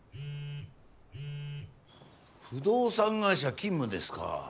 不動産会社勤務ですか。